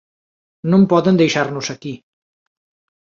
Non poden deixarnos aquí.